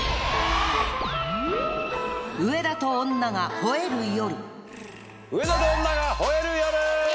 『上田と女が吠える夜』！